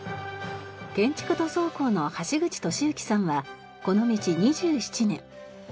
建築塗装工の橋口俊行さんはこの道２７年。